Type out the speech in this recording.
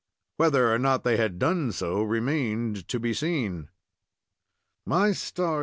Whether or not they had done so remained to be seen. "My stars!